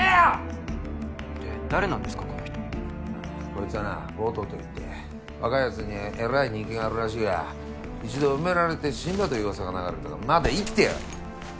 こいつはなＧ１０といって若いやつにえらい人気があるらしいが一度埋められて死んだという噂が流れてたがまだ生きてやがった。